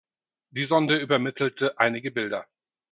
Die Sonde übermittelte einige Bilder.